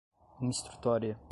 instrutória